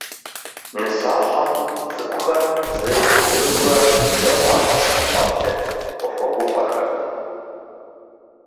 Нысащӏэм, цӏыкӏухэр, зырыз-тӏурытӏурэ, бжэ къуагъым къыхукъуэплъырт, къыхуэгуфӏэхэрт.